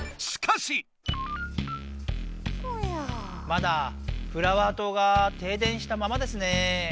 まだフラワー島が停電したままですね。